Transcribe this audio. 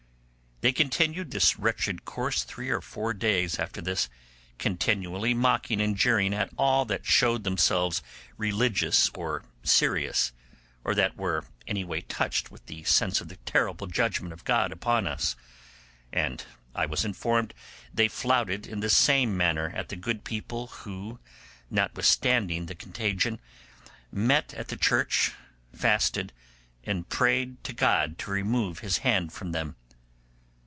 They continued this wretched course three or four days after this, continually mocking and jeering at all that showed themselves religious or serious, or that were any way touched with the sense of the terrible judgement of God upon us; and I was informed they flouted in the same manner at the good people who, notwithstanding the contagion, met at the church, fasted, and prayed to God to remove His hand from them.